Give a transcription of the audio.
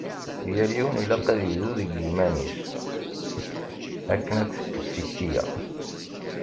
Yal yiwen ilaq ad ibdu deg yiman-is akken ad tekkes tikti-ya.